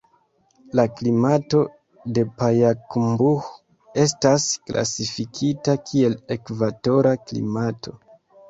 La klimato de Pajakumbuh estas klasifikita kiel ekvatora klimato.